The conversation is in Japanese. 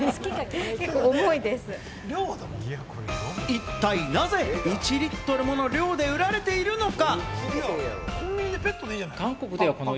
一体なぜ１リットルもの量で売られているのか？